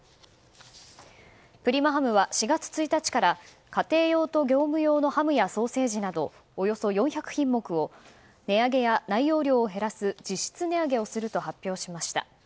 プリマハムは４月１日から家庭用と業務用のハムやソーセージなどおよそ４００品目を値上げや、内容量を減らす実質値上げをすると発表しました。